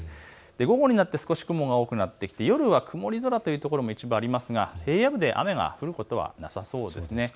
午後になって少し雲が多くなってきて夜は曇り空というところも一部ありますが平野部で雨が降ることはなさそうです。